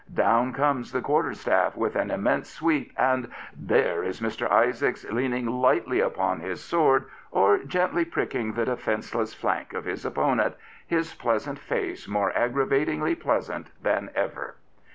Down comes the quarterstaff with an immense sweep and — there is Mr. Isaacs, leaning lightly upon his sword, or gently pricking the defence less flank of his opponent, his pleasant face more aggravatingly pleasant than ever.